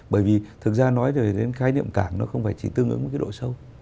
bởi vì thực ra nói đến khái niệm cảng nó không phải chỉ tương ứng với cái độ sâu